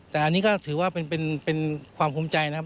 แต่อันนี้ก็ถือว่าเป็นความภูมิใจนะครับ